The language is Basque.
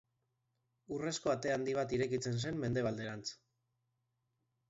Urrezko Ate Handi bat irekitzen zen Mendebalderantz.